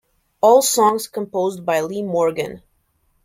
All songs composed by Lee Morgan.